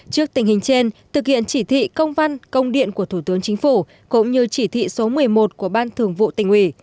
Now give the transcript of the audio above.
trước tình hình trên thực hiện chỉ thị công văn công điện của thủ tướng chính phủ cũng như chỉ thị số một mươi một của ban thường vụ tỉnh ủy